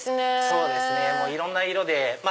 そうですねいろんな色で。